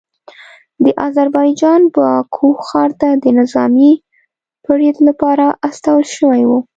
د اذربایجان باکو ښار ته د نظامي پریډ لپاره استول شوي وو